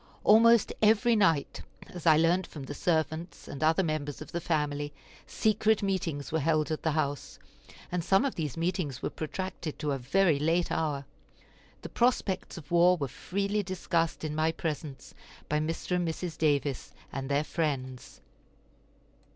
Almost every night, as I learned from the servants and other members of the family, secret meetings were held at the house; and some of these meetings were protracted to a very late hour. The prospects of war were freely discussed in my presence by Mr. and Mrs. Davis and their friends.